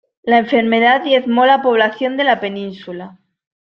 La enfermedad diezmó la población de la península.